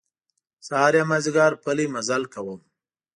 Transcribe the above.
سهار یا مازیګر پلی مزل کوم.